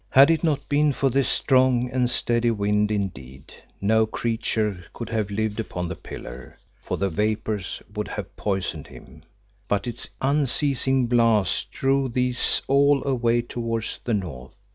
Had it not been for this strong and steady wind indeed, no creature could have lived upon the pillar, for the vapours would have poisoned him; but its unceasing blast drove these all away towards the north.